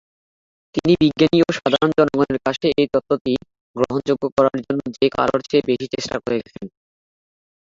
তিনি বিজ্ঞানী ও সাধারণ জনগণের কাছে এ তত্ত্বটি গ্রহণযোগ্য করার জন্য যে কারোর চেয়ে বেশি চেষ্টা করে গেছেন।